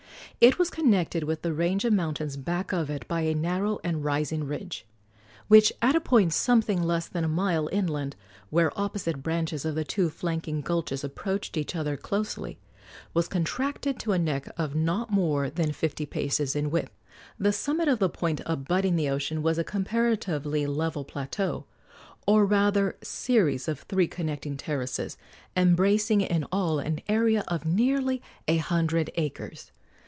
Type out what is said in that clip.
It was connected with the range of mountains back of it by a narrow and rising ridge, which at a point something less than a mile inland, where opposite branches of the two flanking gulches approached each other closely, was contracted to a neck of not more than fifty paces in width. The summit of the point abutting the ocean was a comparatively level plateau, or rather series of three connecting terraces, embracing in all an area of nearly a hundred acres.